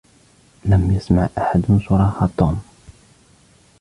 لم يسمع أحد صراخ توم.